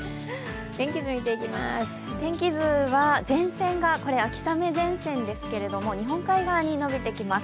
天気図は前線が秋雨前線ですけど、日本海側に伸びてきます。